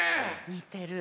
似てる。